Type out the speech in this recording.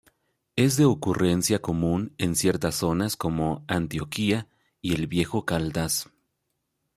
Es de ocurrencia común en ciertas zonas como Antioquia y el Viejo Caldas.